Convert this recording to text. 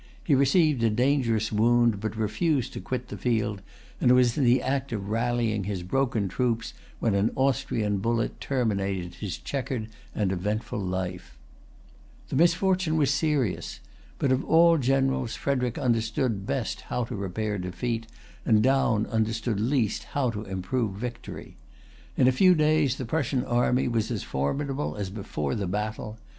He received a dangerous wound, but refused to quit the field, and was in the act of rallying his broken troops when an Austrian bullet terminated his checkered and eventful life.[Pg 320] The misfortune was serious. But of all generals Frederic understood best how to repair defeat, and Daun understood least how to improve victory. In a few days the Prussian army was as formidable as before the battle.